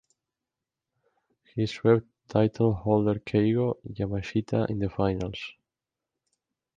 He swept title holder Keigo Yamashita in the finals.